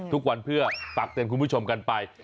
ทุกวันเพื่อฝากเตือนคุณผู้ชมกันไป